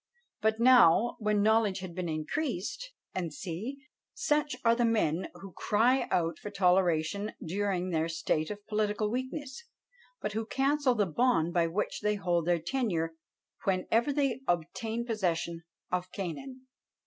But now, when knowledge had been increased," &c. Such are the men who cry out for toleration during their state of political weakness, but who cancel the bond by which they hold their tenure whenever they "obtain possession of Canaan."